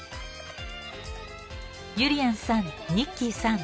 ゆりやんさんニッキーさん